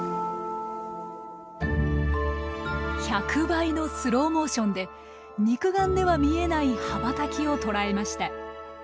１００倍のスローモーションで肉眼では見えない羽ばたきを捉えました。